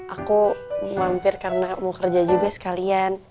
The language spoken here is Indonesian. aku mampir karena mau kerja juga sekalian